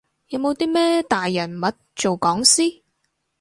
有冇啲咩大人物做講師？